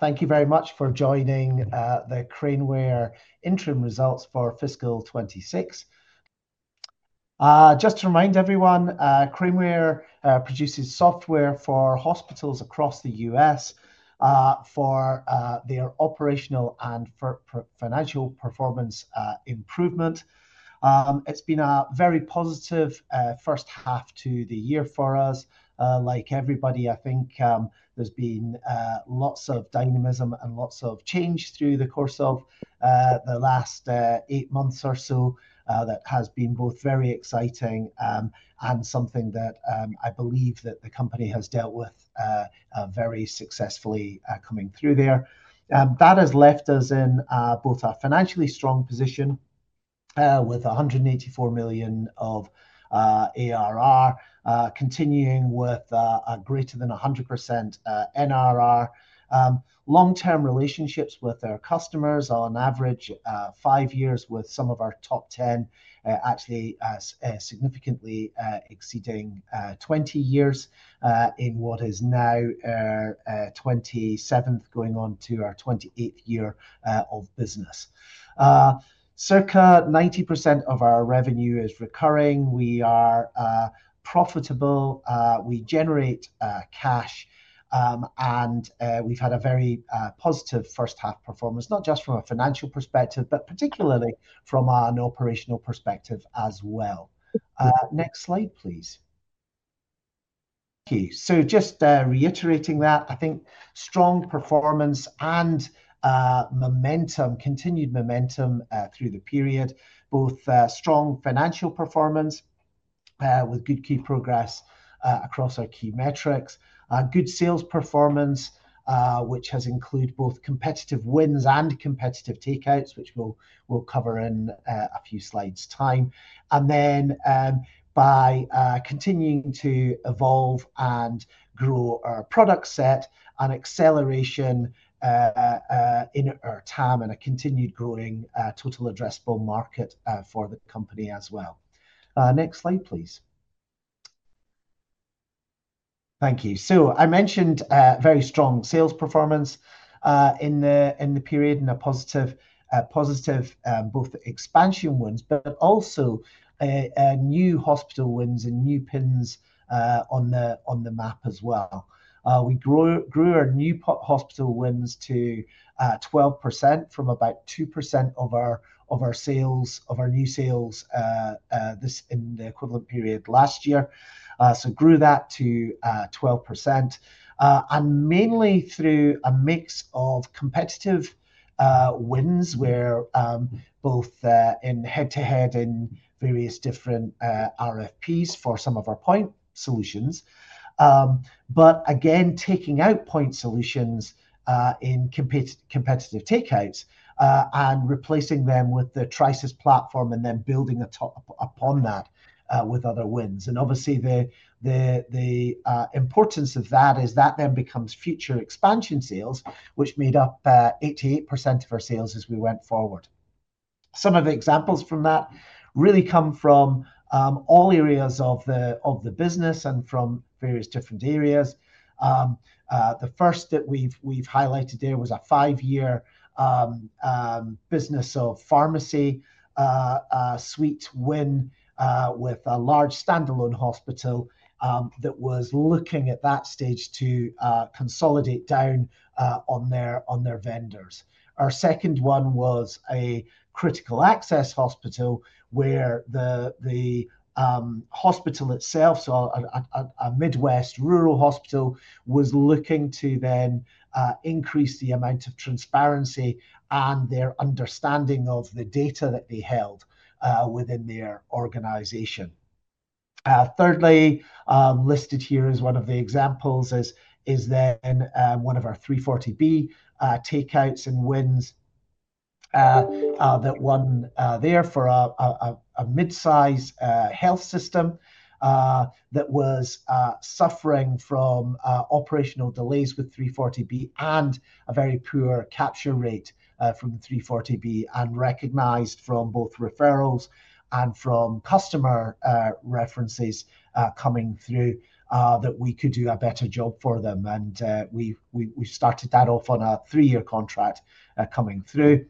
Thank you very much for joining the Craneware interim results for fiscal 2026. Just to remind everyone, Craneware produces software for hospitals across the U.S. for their operational and for financial performance improvement. It's been a very positive first half to the year for us. Like everybody, I think, there's been lots of dynamism and lots of change through the course of the last 8 months or so that has been both very exciting and something that I believe that the company has dealt with very successfully coming through there. That has left us in both a financially strong position with $184 million of ARR continuing with greater than 100% NRR. Long-term relationships with our customers on average, 5 years with some of our top 10, significantly exceeding 20 years, in what is now our 27th going on to our 28th year of business. Circa 90% of our revenue is recurring. We are profitable. We generate cash, and we've had a very positive first half performance, not just from a financial perspective, but particularly from an operational perspective as well. Next slide, please. Okay. Just reiterating that I think strong performance and momentum, continued momentum through the period, both strong financial performance with good key progress across our key metrics. Good sales performance, which has included both competitive wins and competitive takeouts, which we'll cover in a few slides' time. By continuing to evolve and grow our product set and acceleration in our TAM and a continued growing total addressable market for the company as well. Next slide, please. Thank you. I mentioned very strong sales performance in the period and a positive both expansion wins but also new hospital wins and new pins on the map as well. We grew our new hospital wins to 12% from about 2% of our sales of our new sales this in the equivalent period last year. Grew that to 12% and mainly through a mix of competitive wins where both in head-to-head in various different RFPs for some of our point solutions. Again, taking out point solutions in competitive takeouts and replacing them with the Trisus platform and then building atop, upon that, with other wins. Obviously the importance of that is that then becomes future expansion sales, which made up 88% of our sales as we went forward. Some of the examples from that really come from all areas of the business and from various different areas. The first that we've highlighted there was a five-year Trisus Business of Pharmacy Suite win with a large standalone hospital that was looking at that stage to consolidate down on their vendors. Our second one was a Critical Access Hospital where the hospital itself, so a Midwest rural hospital was looking to then increase the amount of transparency and their understanding of the data that they held within their organization. Thirdly, listed here as one of the examples is then one of our 340B takeouts and wins that won there for a mid-size health system that was suffering from operational delays with 340B and a very poor capture rate from the 340B and recognized from both referrals and from customer references coming through that we could do a better job for them. We started that off on a 3-year contract coming through.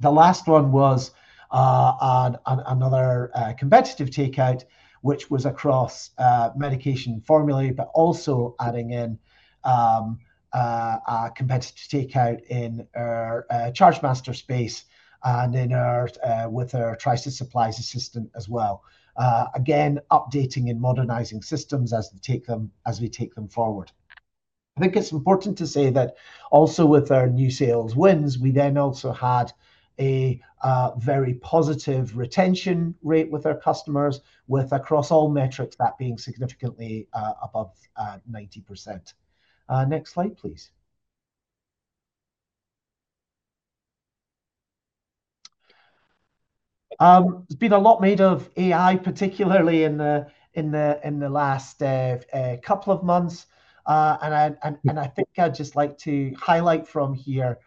The last one was another competitive takeout, which was across Medication Formulary but also adding in a competitive takeout in our Chargemaster space and in our with our Trisus Supplies Assistant as well. Again, updating and modernizing systems as we take them forward. I think it's important to say that also with our new sales wins, we then also had a very positive retention rate with our customers with across all metrics that being significantly above 90%. Next slide, please. There's been a lot made of AI, particularly in the last couple of months. I think I'd just like to highlight from here,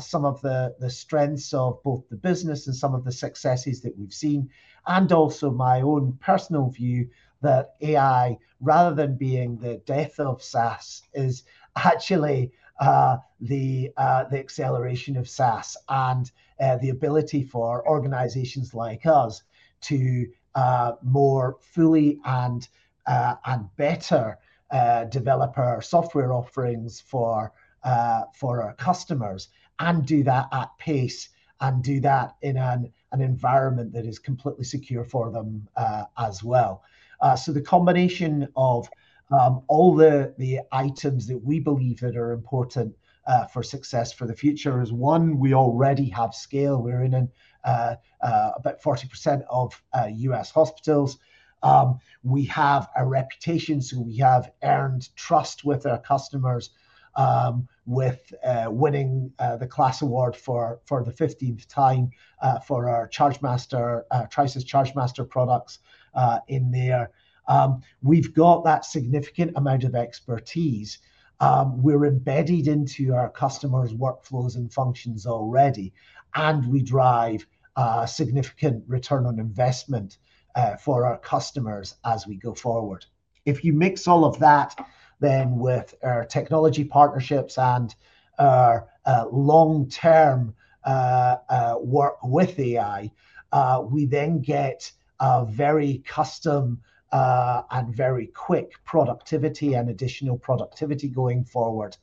some of the strengths of both the business and some of the successes that we've seen, and also my own personal view that AI, rather than being the death of SaaS, is actually the acceleration of SaaS and the ability for organizations like us to more fully and better develop our software offerings for our customers and do that at pace and do that in an environment that is completely secure for them as well. So the combination of all the items that we believe that are important for success for the future is, one, we already have scale. We're in about 40% of U.S. hospitals We have a reputation, so we have earned trust with our customers, with winning the KLAS award for the 15th time for our Chargemaster, Trisus Chargemaster products in there. We've got that significant amount of expertise. We're embedded into our customers' workflows and functions already, and we drive significant ROI for our customers as we go forward. If you mix all of that then with our technology partnerships and our long-term work with AI, we then get a very custom and very quick productivity and additional productivity going forward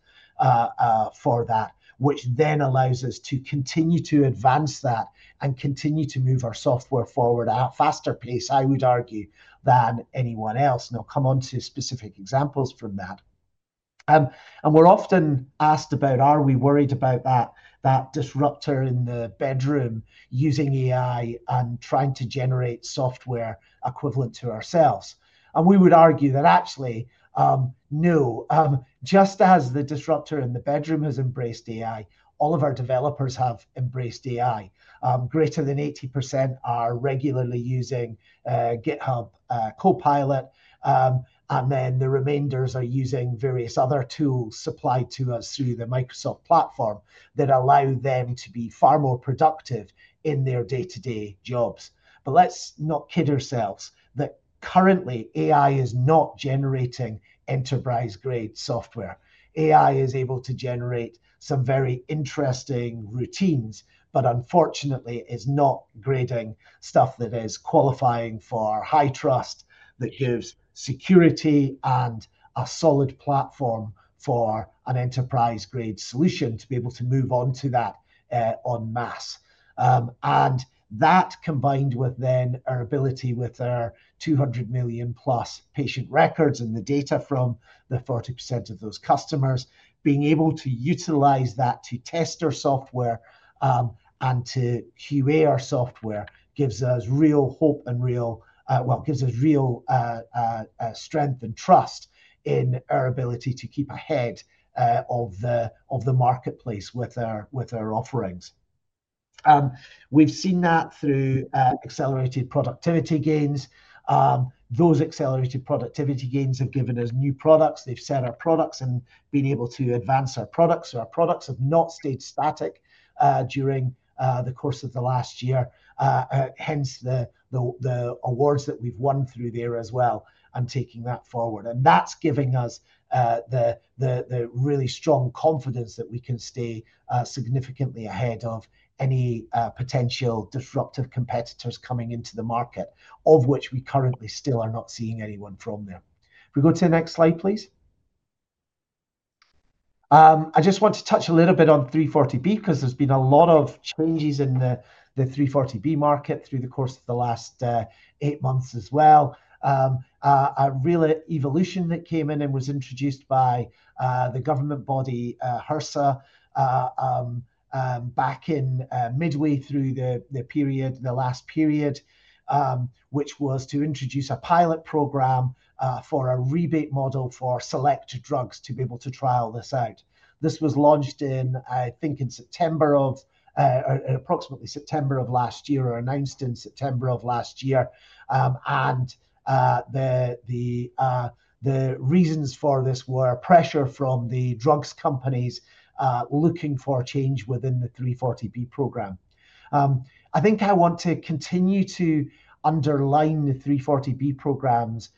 for that, which then allows us to continue to advance that and continue to move our software forward at a faster pace, I would argue, than anyone else. I'll come on to specific examples from that. We're often asked about, are we worried about that disruptor in the bedroom using AI and trying to generate software equivalent to ourselves? We would argue that actually, no. Just as the disruptor in the bedroom has embraced AI, all of our developers have embraced AI. Greater than 80% are regularly using GitHub Copilot. The remainders are using various other tools supplied to us through the Microsoft platform that allow them to be far more productive in their day-to-day jobs. Let's not kid ourselves that currently AI is not generating enterprise-grade software. AI is able to generate some very interesting routines, but unfortunately is not grading stuff that is qualifying for HITRUST, that gives security and a solid platform for an enterprise-grade solution to be able to move on to that en masse. That combined with then our ability with our 200 million-plus patient records and the data from the 40% of those customers, being able to utilize that to test our software, and to QA our software gives us real strength and trust in our ability to keep ahead of the marketplace with our offerings. We've seen that through accelerated productivity gains. Those accelerated productivity gains have given us new products. They've set our products and been able to advance our products. Our products have not stayed static during the course of the last year. Hence the awards that we've won through there as well and taking that forward. That's giving us the really strong confidence that we can stay significantly ahead of any potential disruptive competitors coming into the market, of which we currently still are not seeing anyone from there. If we go to the next slide, please. I just want to touch a little bit on 340B because there's been a lot of changes in the 340B market through the course of the last 8 months as well. A real evolution that came in and was introduced by the government body, HRSA, back in midway through the period, the last period, which was to introduce a pilot program for a rebate model for select drugs to be able to trial this out. This was launched in, I think, in September of, approximately September of last year or announced in September of last year. The reasons for this were pressure from the drugs companies, looking for a change within the 340B program. I think I want to continue to underline the 340B program's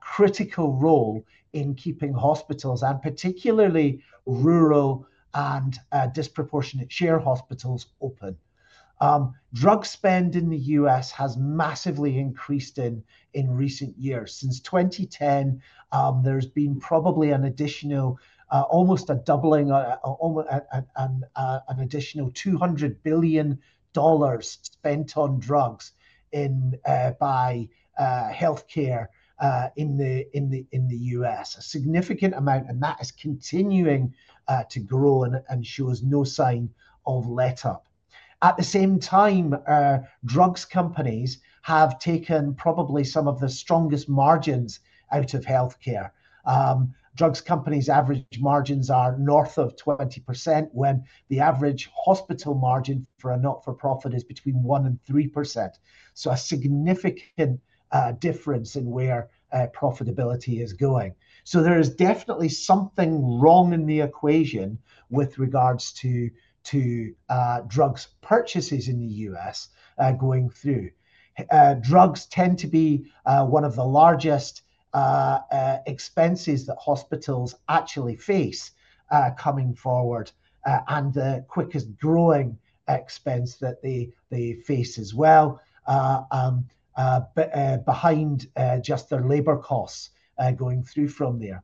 critical role in keeping hospitals and particularly rural and Disproportionate Share Hospitals open. Drug spend in the U.S. has massively increased in recent years. Since 2010, there's been probably an additional, almost a doubling, an additional $200 billion spent on drugs in by healthcare in the U.S. A significant amount, and that is continuing to grow and shows no sign of letup. At the same time, drugs companies have taken probably some of the strongest margins out of healthcare. Drugs companies' average margins are north of 20% when the average hospital margin for a not-for-profit is between 1% and 3%. A significant difference in where profitability is going. There is definitely something wrong in the equation with regards to drugs purchases in the U.S. going through. Drugs tend to be one of the largest expenses that hospitals actually face coming forward, and the quickest growing expense that they face as well, behind just their labor costs going through from there.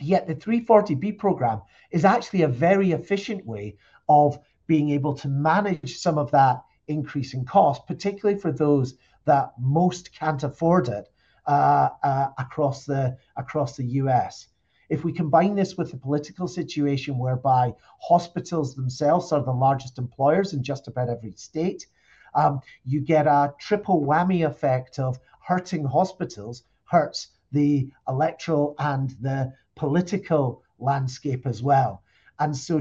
Yet the 340B program is actually a very efficient way of being able to manage some of that increase in cost, particularly for those that most can't afford it, across the U.S. If we combine this with the political situation whereby hospitals themselves are the largest employers in just about every state, you get a triple whammy effect of hurting hospitals hurts the electoral and the political landscape as well.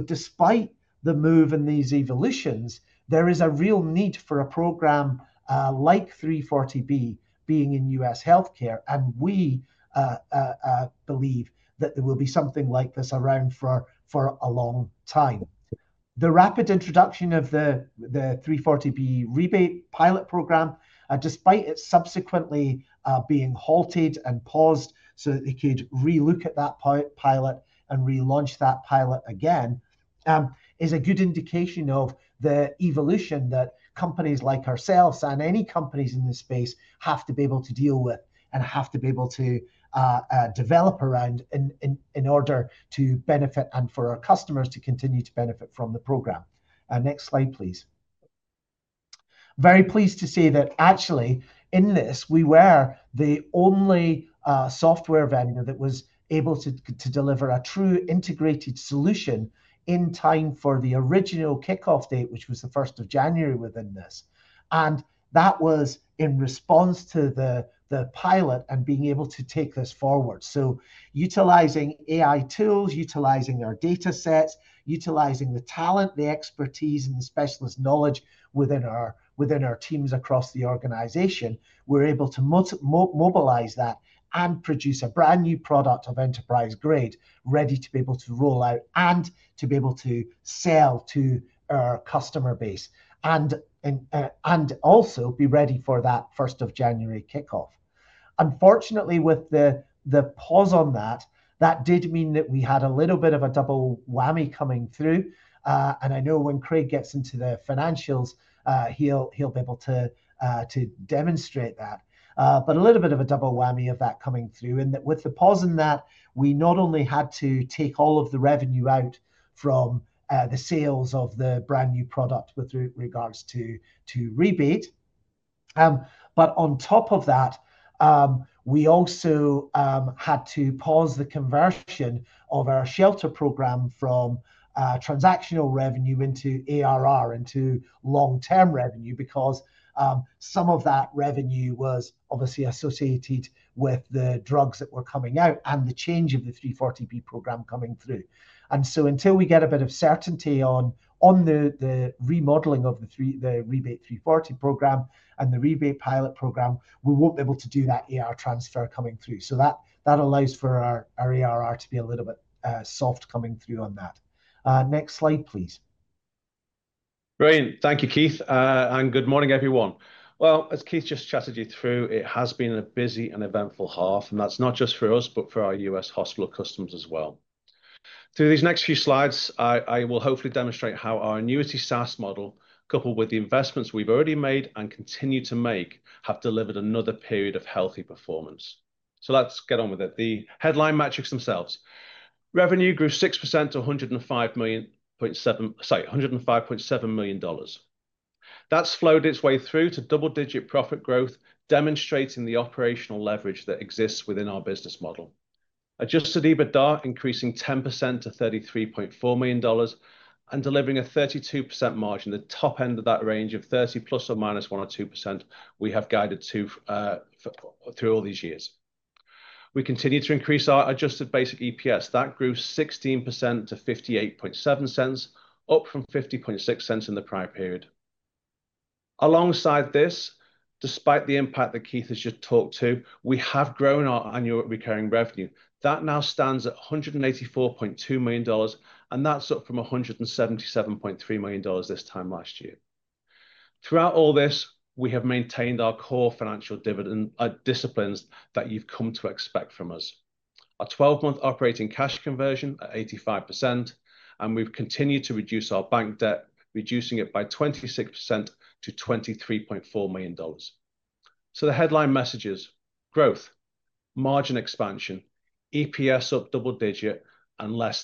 Despite the move in these evolutions, there is a real need for a program, like 340B being in U.S. healthcare, and we believe that there will be something like this around for a long time. The rapid introduction of the 340B Rebate Pilot Program, despite it subsequently being halted and paused so that they could re-look at that pilot and relaunch that pilot again, is a good indication of the evolution that companies like ourselves and any companies in this space have to be able to deal with and have to be able to develop around in order to benefit and for our customers to continue to benefit from the program. Next slide, please. Very pleased to say that actually in this we were the only software vendor that was able to deliver a true integrated solution in time for the original kickoff date, which was the 1st of January within this. That was in response to the pilot and being able to take this forward. Utilizing AI tools, utilizing our datasets, utilizing the talent, the expertise and the specialist knowledge within our teams across the organization, we're able to mobilize that and produce a brand-new product of enterprise grade ready to be able to roll out and to be able to sell to our customer base and also be ready for that 1st of January kickoff. Unfortunately, with the pause on that did mean that we had a little bit of a double whammy coming through. And I know when Craig gets into the financials, he'll be able to demonstrate that. A little bit of a double whammy of that coming through. That with the pause in that, we not only had to take all of the revenue out from the sales of the brand-new product with regards to rebate, but on top of that, we also had to pause the conversion of our shelter program from transactional revenue into ARR, into long-term revenue because some of that revenue was obviously associated with the drugs that were coming out and the change of the 340B program coming through. Until we get a bit of certainty on the remodeling of the rebate 340B program and the rebate pilot program, we won't be able to do that AR transfer coming through. That, that allows for our ARR to be a little bit soft coming through on that. Next slide, please. Great. Thank you, Keith. Good morning, everyone. As Keith just chatted you through, it has been a busy and eventful half, and that's not just for us but for our U.S. hospital customers as well. Through these next few slides, I will hopefully demonstrate how our annuity SaaS model, coupled with the investments we've already made and continue to make, have delivered another period of healthy performance. Let's get on with it. The headline metrics themselves. Revenue grew 6% to $105.7 million. That's flowed its way through to double-digit profit growth, demonstrating the operational leverage that exists within our business model. Adjusted EBITDA increasing 10% to $33.4 million and delivering a 32% margin. The top end of that range of 30 ±1% or 2% we have guided to through all these years. We continue to increase our adjusted basic EPS. That grew 16% to $0.587, up from $0.506 in the prior period. Alongside this, despite the impact that Keith has just talked to, we have grown our annual recurring revenue. That now stands at $184.2 million, and that's up from $177.3 million this time last year. Throughout all this, we have maintained our core financial disciplines that you've come to expect from us. Our 12-month operating cash conversion at 85%, and we've continued to reduce our bank debt, reducing it by 26% to $23.4 million. The headline message is growth, margin expansion, EPS up double digits, and less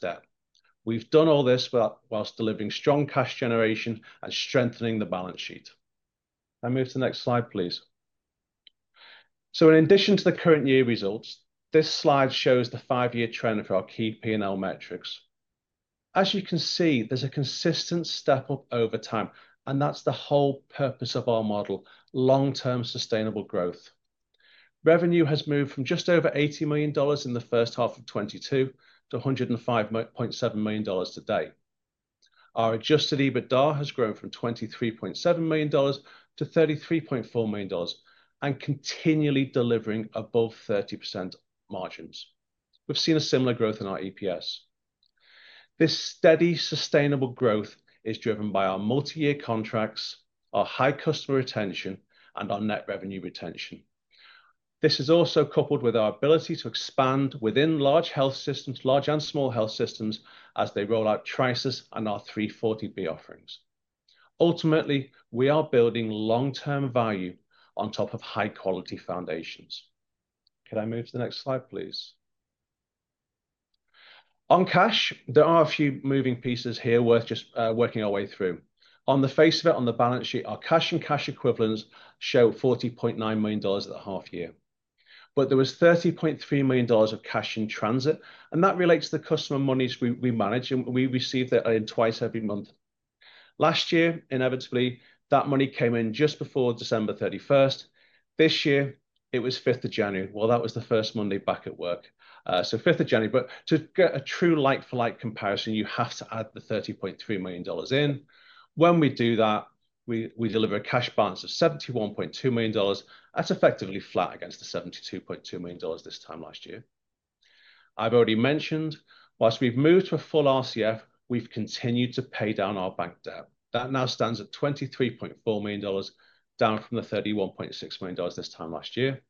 debt. We've done all this whilst delivering strong cash generation and strengthening the balance sheet. Move to the next slide, please. In addition to the current year results, this slide shows the 5-year trend for our key P&L metrics. As you can see, there's a consistent step up over time, and that's the whole purpose of our model, long-term sustainable growth. Revenue has moved from just over $80 million in the first half of 2022 to $105.7 million today. Our adjusted EBITDA has grown from $23.7 million to $33.4 million and continually delivering above 30% margins. We've seen a similar growth in our EPS. This steady, sustainable growth is driven by our multi-year contracts, our high customer retention, and our net revenue retention. This is also coupled with our ability to expand within large health systems, large and small health systems, as they roll out Trisus and our 340B offerings. We are building long-term value on top of high-quality foundations. Could I move to the next slide, please? On cash, there are a few moving pieces here worth just working our way through. On the face of it, on the balance sheet, our cash and cash equivalents show $40.9 million at the half year. There was $30.3 million of cash in transit, and that relates to the customer monies we manage, and we receive that in twice every month. Last year, inevitably, that money came in just before December 31st. This year, it was fifth of January. That was the first Monday back at work. So fifth of January. To get a true like-for-like comparison, you have to add the $30.3 million in. When we do that, we deliver a cash balance of $71.2 million. That's effectively flat against the $72.2 million this time last year. I've already mentioned whilst we've moved to a full RCF, we've continued to pay down our bank debt. That now stands at $23.4 million, down from the $31.6 million this time last year.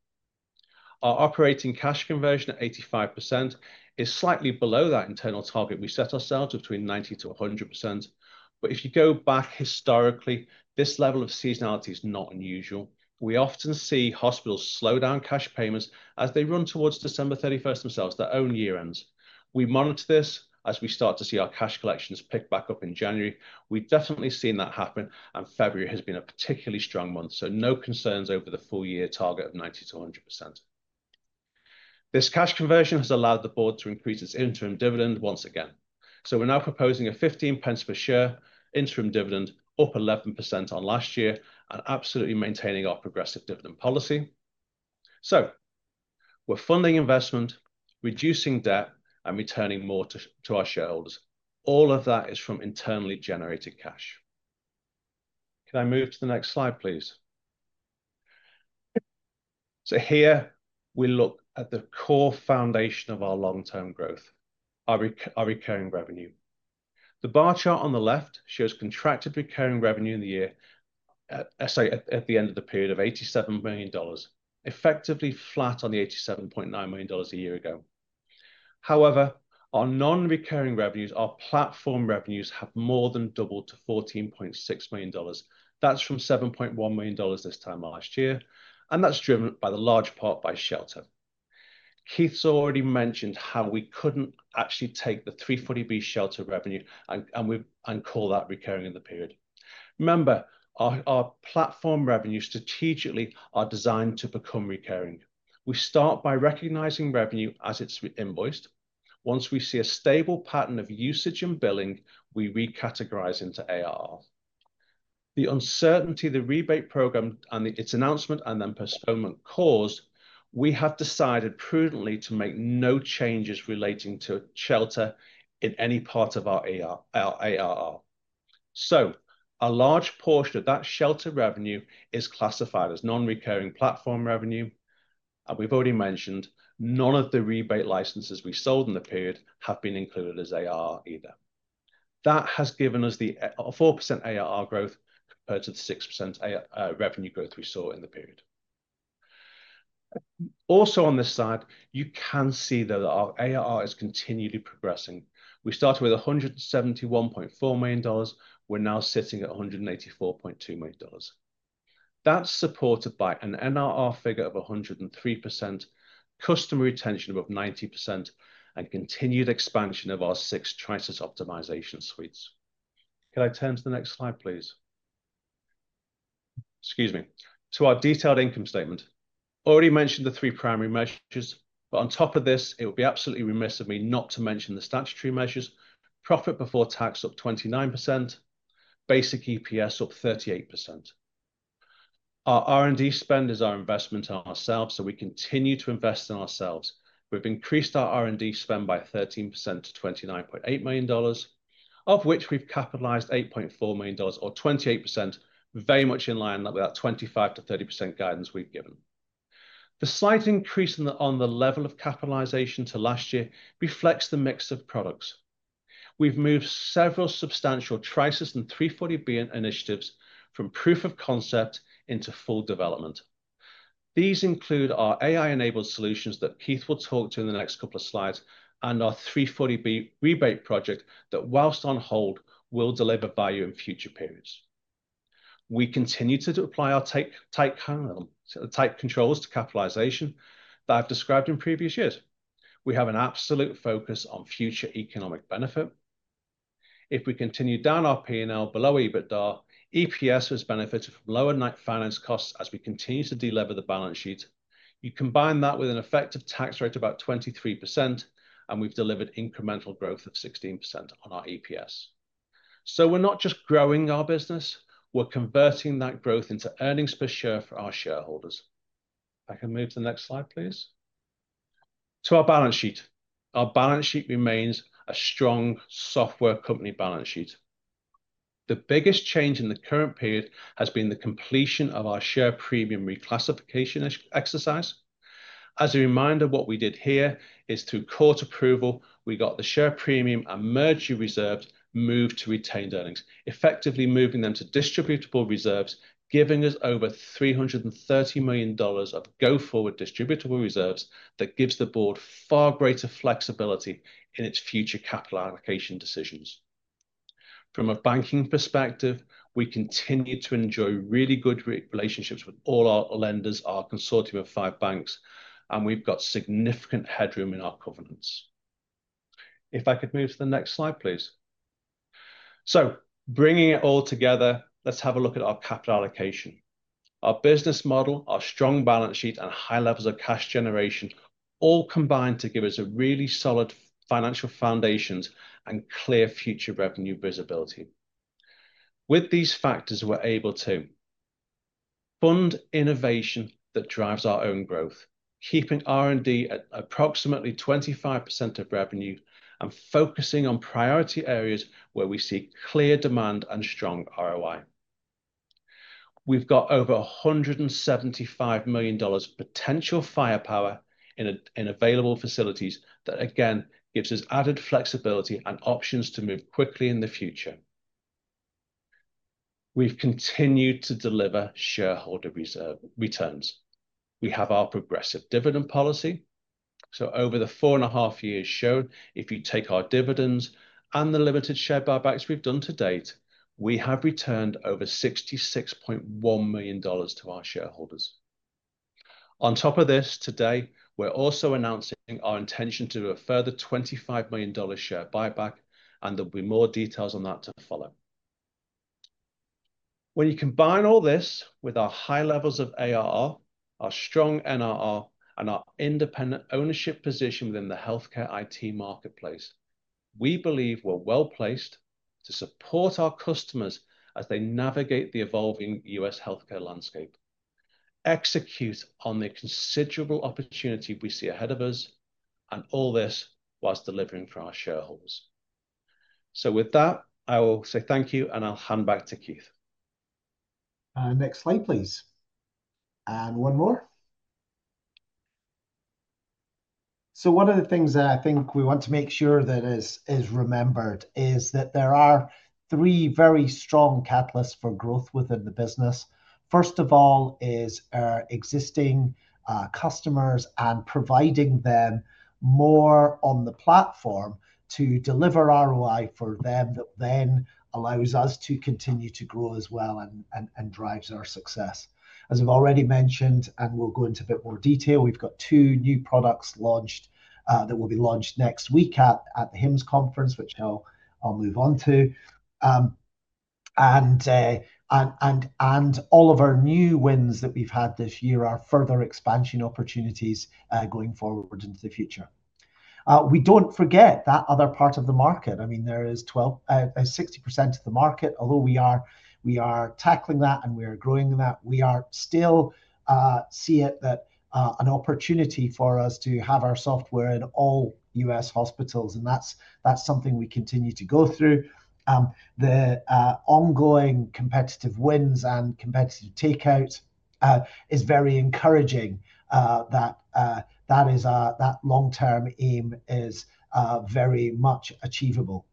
Our operating cash conversion at 85% is slightly below that internal target we set ourselves between 90%-100%. If you go back historically, this level of seasonality is not unusual. We often see hospitals slow down cash payments as they run towards December 31st themselves, their own year ends. We monitor this as we start to see our cash collections pick back up in January. We've definitely seen that happen. February has been a particularly strong month, no concerns over the full year target of 90% to 100%. This cash conversion has allowed the board to increase its interim dividend once again. We're now proposing a 0.15 per share interim dividend, up 11% on last year and absolutely maintaining our progressive dividend policy. We're funding investment, reducing debt, and returning more to our shareholders. All of that is from internally-generated cash. Can I move to the next slide, please? Here we look at the core foundation of our long-term growth, our recurring revenue. The bar chart on the left shows contracted recurring revenue in the year at the end of the period of $87 million, effectively flat on the $87.9 million a year ago. Our non-recurring revenues, our platform revenues, have more than doubled to $14.6 million. That's from $7.1 million this time last year, and that's driven by the large part by Shelter. Keith's already mentioned how we couldn't actually take the 340B Shelter revenue and call that recurring in the period. Remember, our platform revenues strategically are designed to become recurring. We start by recognizing revenue as it's invoiced. Once we see a stable pattern of usage and billing, we recategorize into ARR. The uncertainty, the rebate program and its announcement and then postponement caused, we have decided prudently to make no changes relating to Shelter in any part of our ARR. A large portion of that Shelter revenue is classified as non-recurring platform revenue. We've already mentioned, none of the rebate licenses we sold in the period have been included as AR either. That has given us a 4% ARR growth compared to the 6% revenue growth we saw in the period. Also on this slide, you can see that our ARR is continually progressing. We started with $171.4 million. We're now sitting at $184.2 million. That's supported by an NRR figure of 103%, customer retention above 90%, and continued expansion of our six Trisus optimization suites. Could I turn to the next slide, please? Excuse me. To our detailed income statement. Already mentioned the three primary measures, but on top of this, it would be absolutely remiss of me not to mention the statutory measures. Profit before tax up 29%, basic EPS up 38%. Our R&D spend is our investment in ourselves, so we continue to invest in ourselves. We've increased our R&D spend by 13% to $29.8 million, of which we've capitalized $8.4 million or 28%, very much in line with that 25%-30% guidance we've given. The slight increase on the level of capitalization to last year reflects the mix of products. We've moved several substantial Trisus and 340B initiatives from proof of concept into full development. These include our AI-enabled solutions that Keith will talk to in the next couple of slides, and our 340B rebate project that, whilst on hold, will deliver value in future periods. We continue to apply our tight controls to capitalization that I've described in previous years. We have an absolute focus on future economic benefit. If we continue down our P&L below EBITDA, EPS has benefited from lower net finance costs as we continue to delever the balance sheet. You combine that with an effective tax rate of about 23%, and we've delivered incremental growth of 16% on our EPS. We're not just growing our business, we're converting that growth into earnings per share for our shareholders. If I can move to the next slide, please. To our balance sheet. Our balance sheet remains a strong software company balance sheet. The biggest change in the current period has been the completion of our share premium reclassification exercise. As a reminder, what we did here is through court approval, we got the share premium and merger reserves moved to retained earnings. Effectively moving them to distributable reserves, giving us over $330 million of go forward distributable reserves that gives the board far greater flexibility in its future capital allocation decisions. From a banking perspective, we continue to enjoy really good relationships with all our lenders, our consortium of five banks, and we've got significant headroom in our covenants. If I could move to the next slide, please. Bringing it all together, let's have a look at our capital allocation. Our business model, our strong balance sheet and high levels of cash generation all combine to give us a really solid financial foundations and clear future revenue visibility. With these factors, we're able to fund innovation that drives our own growth, keeping R&D at approximately 25% of revenue and focusing on priority areas where we see clear demand and strong ROI. We've got over $175 million potential firepower in available facilities that again gives us added flexibility and options to move quickly in the future. We've continued to deliver shareholder returns. We have our progressive dividend policy. Over the four and a half years shown, if you take our dividends and the limited share buybacks we've done to date, we have returned over $66.1 million to our shareholders. On top of this, today, we're also announcing our intention to do a further $25 million share buyback, and there'll be more details on that to follow. When you combine all this with our high levels of ARR, our strong NRR and our independent ownership position within the healthcare IT marketplace, we believe we're well-placed to support our customers as they navigate the evolving U.S. healthcare landscape, execute on the considerable opportunity we see ahead of us and all this whilst delivering for our shareholders. With that, I will say thank you and I'll hand back to Keith. Next slide, please. One more. One of the things that I think we want to make sure that is remembered is that there are three very strong catalysts for growth within the business. First of all is our existing customers and providing them more on the platform to deliver ROI for them that then allows us to continue to grow as well and drives our success. As I've already mentioned, and we'll go into a bit more detail, we've got two new products launched that will be launched next week at the HIMSS conference, which I'll move on to. All of our new wins that we've had this year are further expansion opportunities going forward into the future. We don't forget that other part of the market. I mean, there is 60% of the market. Although we are tackling that and we are growing that, we are still, see it that, an opportunity for us to have our software in all U.S. hospitals, and that's something we continue to go through. The ongoing competitive wins and competitive takeouts is very encouraging, that is, that long-term aim is very much achievable.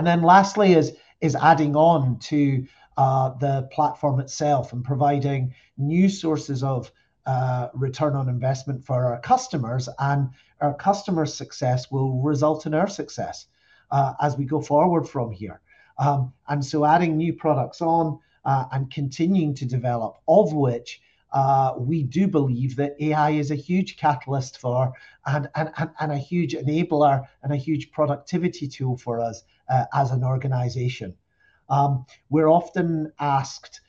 Lastly is adding on to the platform itself and providing new sources of ROI for our customers. Our customers' success will result in our success as we go forward from here. Adding new products on and continuing to develop, of which we do believe that AI is a huge catalyst for and a huge enabler and a huge productivity tool for us as an organization. We're often asked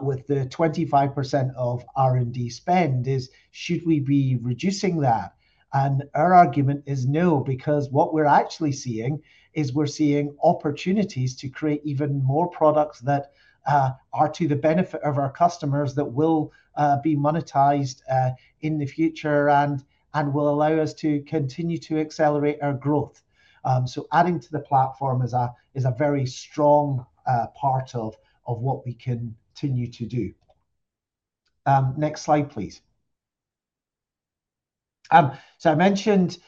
with the 25% of R&D spend is should we be reducing that? Our argument is no, because what we're actually seeing is we're seeing opportunities to create even more products that are to the benefit of our customers that will be monetized in the future and will allow us to continue to accelerate our growth. Adding to the platform is a very strong part of what we continue to do. Next slide, please. I mentioned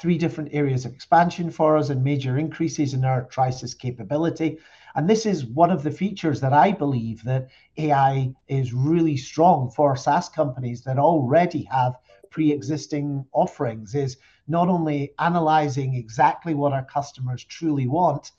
three different areas of expansion for us and major increases in our Trisus capability. This is one of the features that I believe that AI is really strong for SaaS companies that already have pre-existing offerings, is not only analyzing exactly what our customers truly want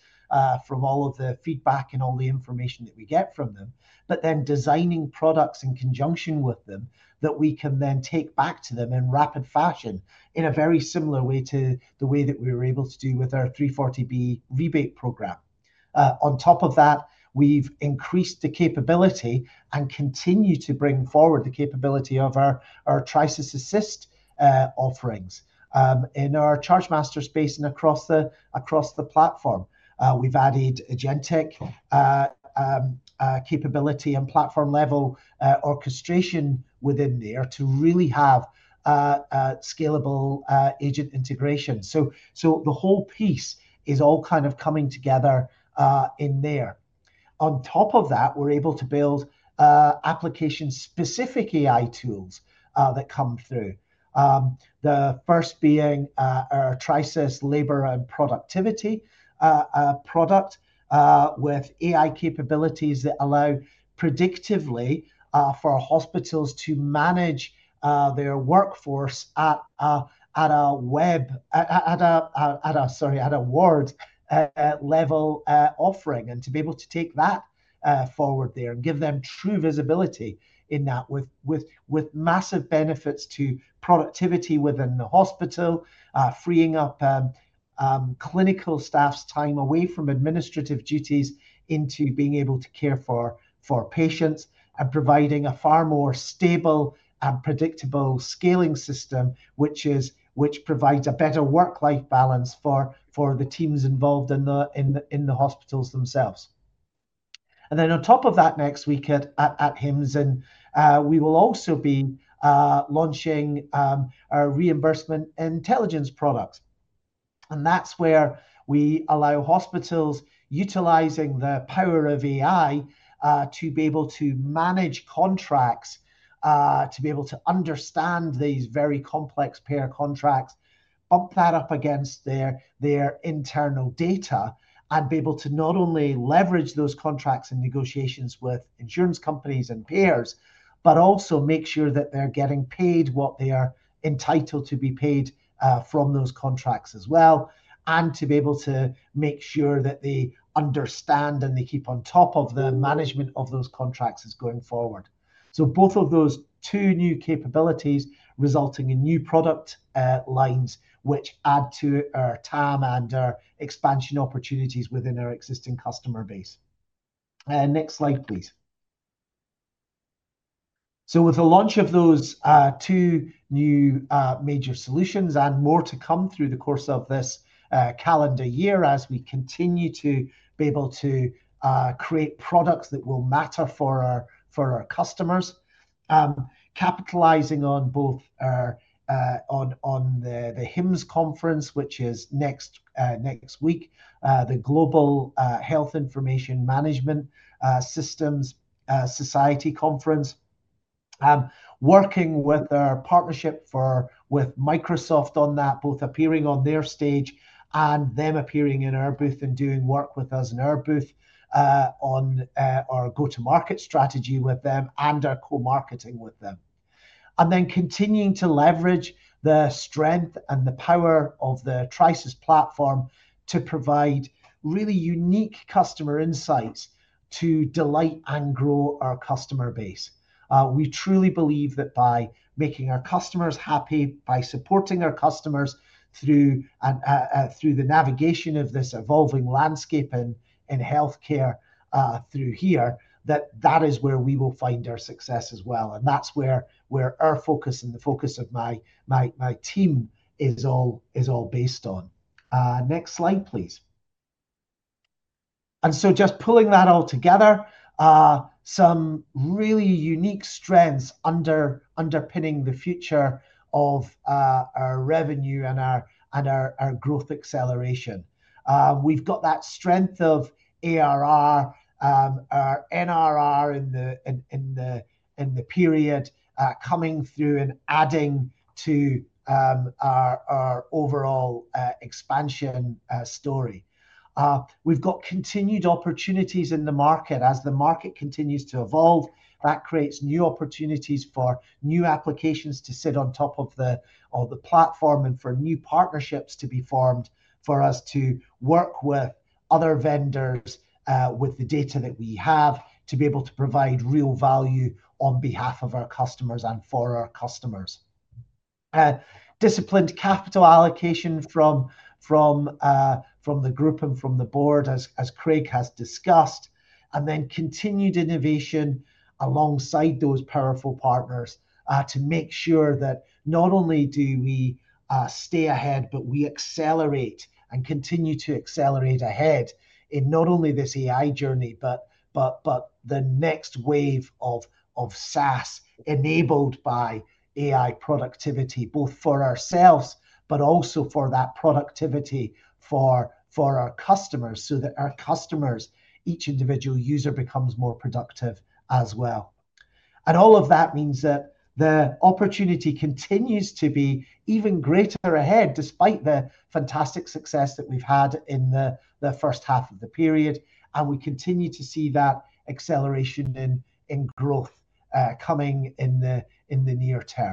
from all of the feedback and all the information that we get from them, but then designing products in conjunction with them that we can then take back to them in rapid fashion in a very similar way to the way that we were able to do with our 340B rebate program. On top of that, we've increased the capability and continue to bring forward the capability of our Trisus Assistant offerings. In our Chargemaster space and across the platform, we've added. capability and platform-level orchestration within there to really have scalable agent integration. The whole piece is all kind of coming together in there. On top of that, we're able to build application-specific AI tools that come through. The first being our Trisus Labor Productivity product with AI capabilities that allow predictively for hospitals to manage their workforce at a ward level offering and to be able to take that forward there and give them true visibility in that with massive benefits to productivity within the hospital, freeing up clinical staff's time away from administrative duties into being able to care for patients and providing a far more stable and predictable scaling system, which provides a better work-life balance for the teams involved in the hospitals themselves. On top of that next week at HIMSS, we will also be launching our Reimbursement Intelligence product. That's where we allow hospitals utilizing the power of AI to be able to manage contracts, to be able to understand these very complex payer contracts, bump that up against their internal data, and be able to not only leverage those contracts and negotiations with insurance companies and payers, but also make sure that they're getting paid what they are entitled to be paid from those contracts as well, and to be able to make sure that they understand, and they keep on top of the management of those contracts as going forward. Both of those two new capabilities resulting in new product lines, which add to our TAM and our expansion opportunities within our existing customer base. Next slide, please. With the launch of those two new major solutions and more to come through the course of this calendar year as we continue to be able to create products that will matter for our, for our customers, capitalizing on both our on the HIMSS conference, which is next week, the Healthcare Information and Management Systems Society conference. Working with our partnership for, with Microsoft on that, both appearing on their stage and them appearing in our booth and doing work with us in our booth on our go-to-market strategy with them and our co-marketing with them. Continuing to leverage the strength and the power of the Trisus platform to provide really unique customer insights to delight and grow our customer base. We truly believe that by making our customers happy, by supporting our customers through the navigation of this evolving landscape in healthcare, through here, that that is where we will find our success as well, and that's where our focus and the focus of my team is all based on. Next slide, please. Just pulling that all together, some really unique strengths underpinning the future of our revenue and our growth acceleration. We've got that strength of ARR, our NRR in the period, coming through and adding to our overall expansion story. We've got continued opportunities in the market. As the market continues to evolve, that creates new opportunities for new applications to sit on top of the platform and for new partnerships to be formed, for us to work with other vendors, with the data that we have, to be able to provide real value on behalf of our customers and for our customers. Disciplined capital allocation from the group and from the board as Craig has discussed, and then continued innovation alongside those powerful partners, to make sure that not only do we stay ahead, but we accelerate and continue to accelerate ahead in not only this AI journey but the next wave of SaaS enabled by AI productivity, both for ourselves but also for that productivity for our customers so that our customers, each individual user becomes more productive as well. All of that means that the opportunity continues to be even greater ahead, despite the fantastic success that we've had in the first half of the period. We continue to see that acceleration in growth, coming in the, in the near term.